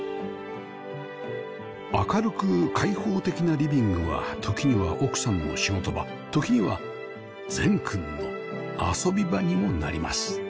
明るく開放的なリビングは時には奥さんの仕事場時には禅くんの遊び場にもなります